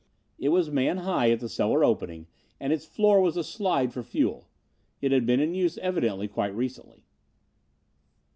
It was man high at the cellar opening and its floor was a slide for fuel. It had been in use, evidently, quite recently.